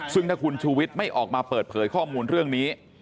ซึ่งถ้าคุณชูวิทย์ไม่ออกมาเปิดเผยข้อมูลเรื่องนี้